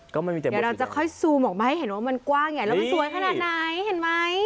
ก็ไม่มีแต่เราจะค่อยซูมออกมาให้เห็นว่ามันกว้างใหญ่แล้วมันสวยขนาดไหนเห็นไหม